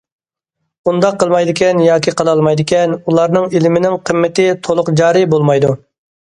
ئۇنداق قىلمايدىكەن ياكى قىلالمايدىكەن، ئۇلارنىڭ ئىلمىنىڭ قىممىتى تولۇق جارى بولمايدۇ.